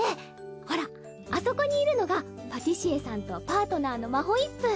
ほらあそこにいるのがパティシエさんとパートナーのマホイップ。